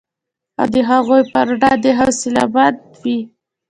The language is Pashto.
او د هغوی په وړاندې حوصله مند وي